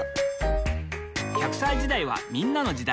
磽隠娃歳時代はみんなの時代。